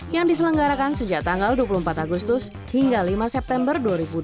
yang diselenggarakan sejak tanggal dua puluh empat agustus hingga lima september dua ribu dua puluh